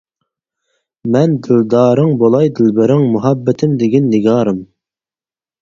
مەن دىلدارىڭ بۇلاي دىلبىرىڭ مۇھەببىتىم دېگىن نىگارىم.